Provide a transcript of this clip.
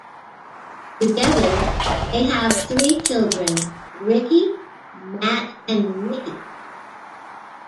Together they have three children: Ricky, Matt, and Nikki.